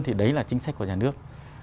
trong chính sách của nhà nước